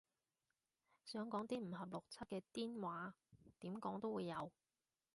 想講啲唔合邏輯嘅癲話，點講都會有